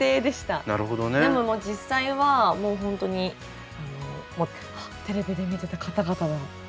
でも実際はホントに「あテレビで見てた方々だ。